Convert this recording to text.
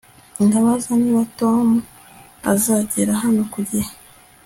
Ndabaza niba Tom azagera hano ku gihe